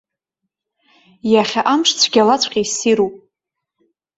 Иахьа амш цәгьалаҵәҟьа иссируп.